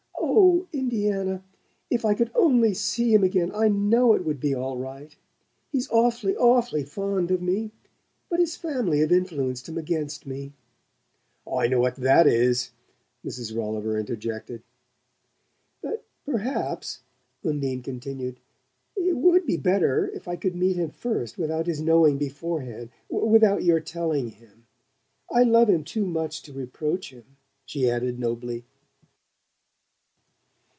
"Oh, Indiana, if I could only see him again I know it would be all right! He's awfully, awfully fond of me; but his family have influenced him against me " "I know what THAT is!" Mrs. Rolliver interjected. "But perhaps," Undine continued, "it would be better if I could meet him first without his knowing beforehand without your telling him ... I love him too much to reproach him!" she added nobly.